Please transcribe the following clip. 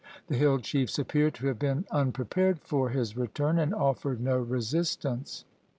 The hill chiefs appear to have been unprepared for his return and offered no resistance.